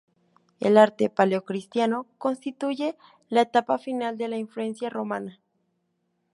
El arte paleocristiano constituye la etapa final de la influencia romana.